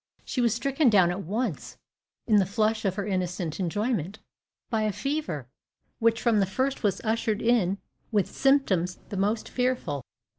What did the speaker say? She was stricken down at once, in the flush of her innocent enjoyment, by a fever, which from the first was ushered in with symptoms the most fearful.